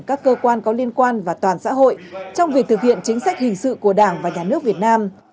các cơ quan có liên quan và toàn xã hội trong việc thực hiện chính sách hình sự của đảng và nhà nước việt nam